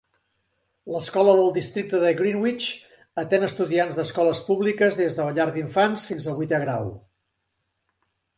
L'escola del districte de Greenwich atén estudiants d'escoles públiques des de la llar d'infants fins al vuitè grau.